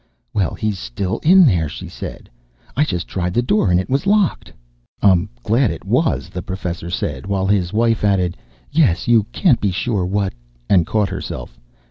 "Well, he's still in there," she said. "I just tried the door and it was locked." "I'm glad it was!" the Professor said while his wife added, "Yes, you can't be sure what " and caught herself.